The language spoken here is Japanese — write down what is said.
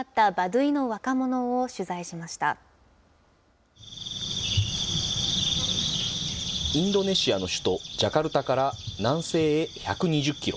インドネシアの首都ジャカルタから南西へ１２０キロ。